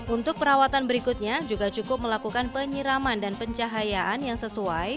untuk perawatan berikutnya juga cukup melakukan penyiraman dan pencahayaan yang sesuai